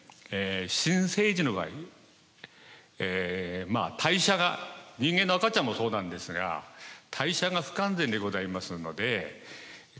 新生児の場合代謝が人間の赤ちゃんもそうなんですが代謝が不完全でございますのでかなり熱に弱いんですね。